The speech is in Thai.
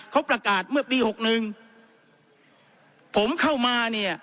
เขาประกาศเมื่อปีหกหนึ่งผมเข้ามาเนี่ย